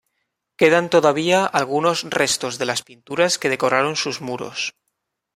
Quedan todavía algunos restos de las pinturas que decoraron sus muros.